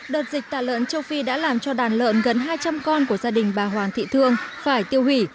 đợt dịch tả lợn châu phi đã làm cho đàn lợn gần hai trăm linh con của gia đình bà hoàng thị thương phải tiêu hủy